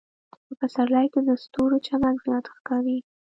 په پسرلي کې د ستورو چمک زیات ښکاري.